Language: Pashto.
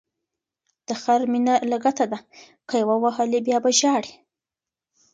د خر مینه لګته ده، که یې ووهلی بیا به ژاړی.